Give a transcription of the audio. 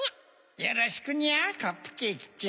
よろしくにゃカップケーキちゃん。